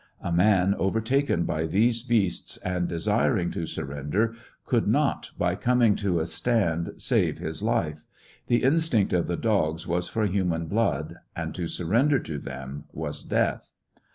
A man overtaken by these beasts, and desiring to surrender, could not, by coming to a stand, save his life ; the instinct of the dogs was for human blood, and to surrender to them was death.